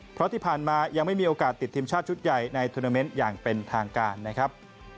เพราะที่ผ่านมายังไม่มีโอกาสติดทีมชาติชุดใหญ่ในทุนาเมนต์อย่างเป็นทางการนะครับ